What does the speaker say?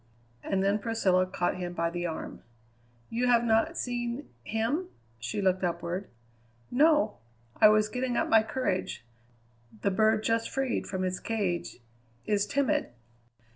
And then Priscilla caught him by the arm. "You have not seen him?" she looked upward. "No. I was getting up my courage. The bird just freed from its cage is timid."